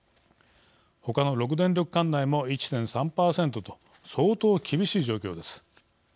ほかの６電力管内も１．３％と相当厳しい状況です。